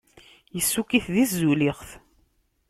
Issukk-it di tzulixt.